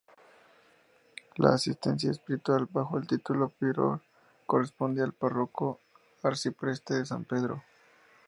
La asistencia espiritual, bajo el título de Prior, corresponde al párroco-arcipreste de San Pedro.